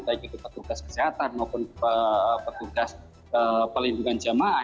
baik itu petugas kesehatan maupun petugas pelindungan jamaah